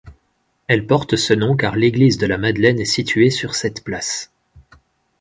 Elle porte ce nom car l'église de la Madeleine est située sur cette place.